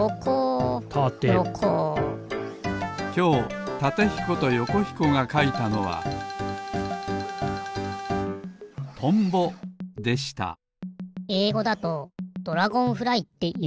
今日タテひことヨコひこがかいたのはとんぼでしたえいごだとドラゴンフライっていうらしいよ。